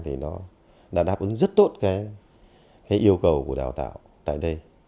thì nó đã đáp ứng rất tốt cái yêu cầu của đào tạo tại đây